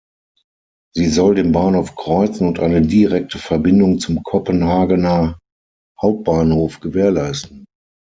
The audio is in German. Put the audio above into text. Sie soll den Bahnhof kreuzen und eine direkte Verbindung zum Kopenhagener Hbf gewährleisten.